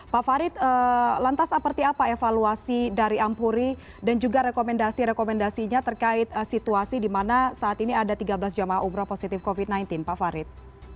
pak farid lantas seperti apa evaluasi dari ampuri dan juga rekomendasi rekomendasinya terkait situasi di mana saat ini ada tiga belas jemaah umroh positif covid sembilan belas pak farid